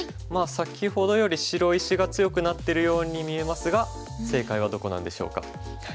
先ほどより白石が強くなってるように見えますが正解はどこなんでしょうか？